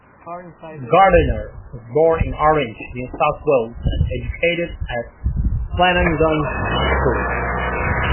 Gardiner was born in Orange, New South Wales and educated at Flanagan's School.